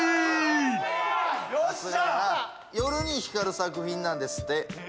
夜に光る作品なんですって。